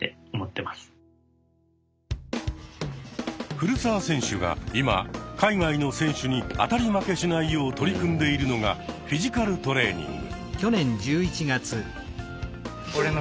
古澤選手が今海外の選手に当たり負けしないよう取り組んでいるのがフィジカルトレーニング。